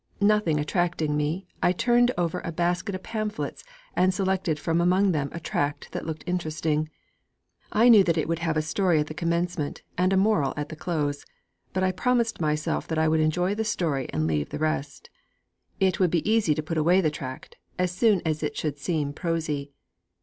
Nothing attracting me, I turned over a basket of pamphlets and selected from among them a tract that looked interesting. I knew that it would have a story at the commencement and a moral at the close; but I promised myself that I would enjoy the story and leave the rest. It would be easy to put away the tract as soon as it should seem prosy.'